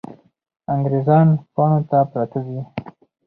انګریزان پاڼو ته پراته دي.